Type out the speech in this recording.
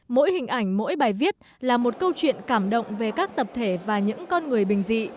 mỗi hình ảnh mỗi bài viết là một câu chuyện cảm động về các tập thể và những con người bình dị